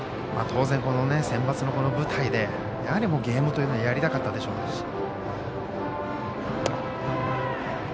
当然、センバツの舞台でやはりゲームというのはやりたかったでしょうし。